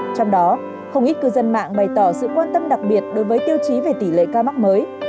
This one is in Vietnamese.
trong đó không ít cư dân mạng bày tỏ sự quan tâm đặc biệt đối với tiêu chí về tỷ lệ ca mắc mới